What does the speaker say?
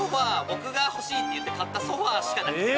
僕が欲しいって言って買ったソファしかなくて。